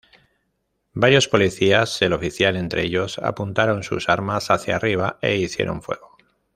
Varios policías, el oficial entre ellos, apuntaron sus armas hacia arriba e hicieron fuego.